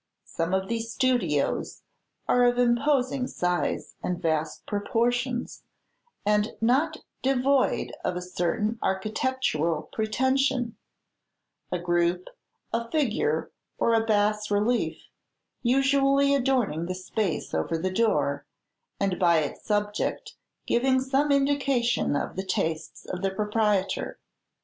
Some of these studios are of imposing size and vast proportions, and not devoid of a certain architectural pretension, a group, a figure, or a bas relief usually adorning the space over the door, and by its subject giving some indication of the tastes of the proprietor.